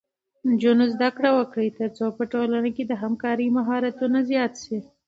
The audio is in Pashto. نجونې زده کړه وکړي ترڅو په ټولنه کې د همکارۍ مهارتونه زیات شي.